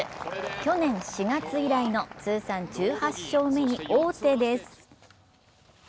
去年４月以来の通算１８勝目に王手です。